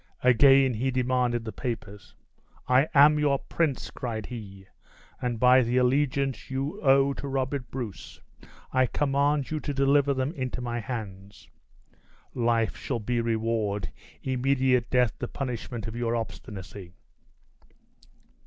Again he demanded the papers. "I am your prince," cried he, "and by the allegiance you owe to Robert Bruce, I command you to deliver them into my hands. Life shall be your reward, immediate death the punishment of your obstinacy."